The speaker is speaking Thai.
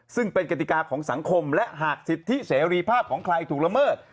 ซึ่งเป็นกติกาของสังคมและหากสิทธิเสรีภาพของใครถูกละเมิด